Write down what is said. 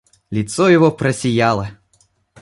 Лицо его просияло.